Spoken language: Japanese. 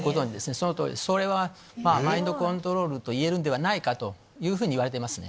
その通りですそれはマインドコントロールと言えるんではないかというふうにいわれてますね。